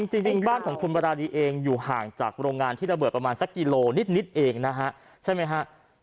จริงบ้านของคุณบราดีเองอยู่ห่างจากโรงงานที่ระเบิดประมาณสักกิโลนิดเองนะฮะใช่ไหมฮะ